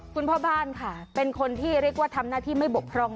คุณพ่อบ้านค่ะเป็นคนที่เรียกว่าทำหน้าที่ไม่บกพร่อง